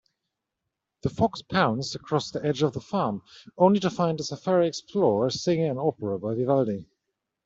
The fox pounced across the edge of the farm, only to find a safari explorer singing an opera by Vivaldi.